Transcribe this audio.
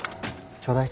ちょうだい。